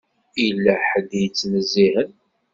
Yella ḥedd i yettnezzihen.